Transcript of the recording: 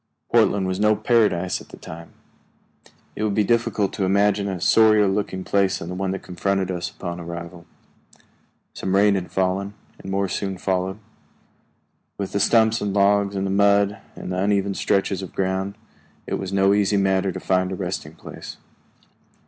Portland was no paradise at that time. It would be difficult to imagine a sorrier looking place than the one that confronted us upon arrival. Some rain had fallen, and more soon followed. With the stumps and logs and mud and the uneven stretches of ground, it was no easy matter to find a resting place.